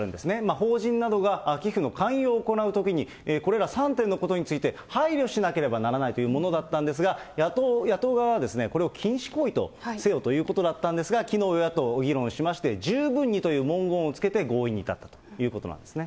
法人などが寄付の勧誘を行うときに、これら３点のことについて、配慮しなければならないというものだったんですが、野党側は、これを禁止行為とせよということだったんですが、きのう、与野党議論しまして、十分にという文言をつけて合意に至ったということなんですね。